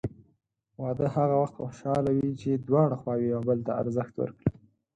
واده هغه وخت خوشحاله وي چې دواړه خواوې یو بل ته ارزښت ورکړي.